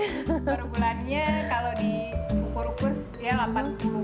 perbulannya kalau diukur ukur ya rp delapan puluh delapan puluh lima